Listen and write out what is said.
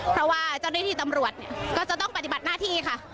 เพราะว่าเจ้าหน้าที่ตำรวจเนี่ยก็จะต้องปฏิบัติหน้าที่ค่ะ